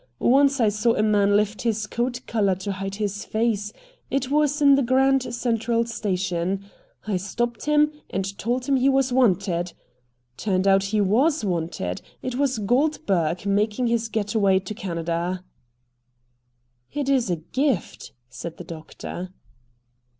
Once I saw a man lift his coat collar to hide his face. It was in the Grand Central Station. I stopped him, and told him he was wanted. Turned out he WAS wanted. It was Goldberg, making his getaway to Canada." "It is a gift," said the doctor.